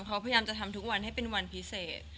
เขาพยายามจะทำทุกวันให้เป็นวันพิเศษ